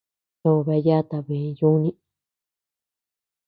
To bea yata bëe yúuni.